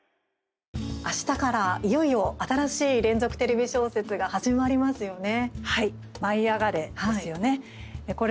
明日からいよいよ新しい連続テレビ小説が始まりますよね。